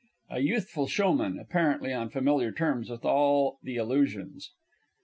_ A Youthful Showman (apparently on familiar terms with all the Illusions).